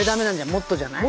もっとじゃない？